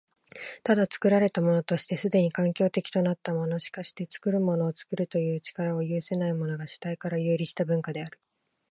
ただ、作られたものとして既に環境的となったもの、しかして作るものを作るという力を有せないものが、主体から遊離した文化である。